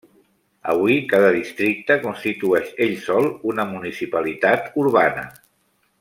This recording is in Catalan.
Avui, cada districte constitueix ell sol una municipalitat urbana.